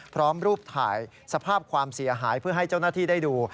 พร้อมรูปถ่ายสภาพความเสียหายเพื่อให้เจ้าหน้าที่ได้ดู